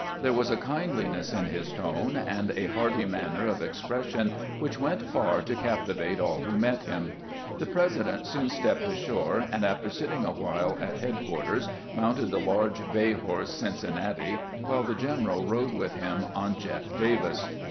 There was a kindliness in his tone and a hearty manner of expres sion which went far to captivate all who met him. The President soon stepped ashore, and after sitting awhile at headquarters mounted the large bay horse " Cincin nati," while the general rode with him on " Jeff Davis."